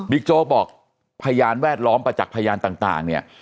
โจ๊กบอกพยานแวดล้อมประจักษ์พยานต่างเนี่ย